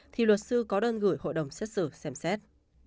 thì luật sư có đơn gửi hội đồng xét xử xem xét